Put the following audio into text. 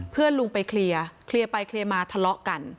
ลุงไปเคลียร์เคลียร์ไปเคลียร์มาทะเลาะกัน